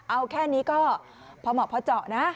เอาแค่นี้ก็พอเหมาะพอเจาะนะ